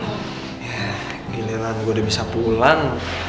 ya gile lah gue udah bisa pulang